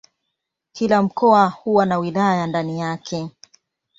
Kila mkoa huwa na wilaya ndani yake.